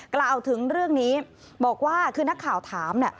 กล่าวถึงเรื่องนี้บอกว่าคือนักข่าวถามเนี่ย